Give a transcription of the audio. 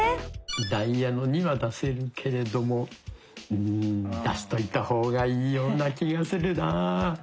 「ダイヤの２」は出せるけれどもうん出しといた方がいいような気がするな。